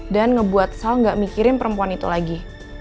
dan buat sal nggak mikirin perempuan itu lagi